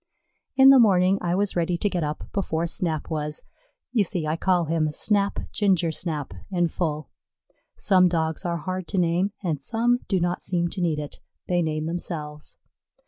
In the morning I was ready to get up before Snap was. You see, I call him Snap Ginger snap in full. Some Dogs are hard to name, and some do not seem to need it they name themselves.